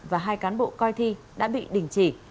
và hai cán bộ coi thi đã bị đình chỉ